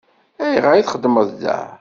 Ayɣer i txeddmeḍ da?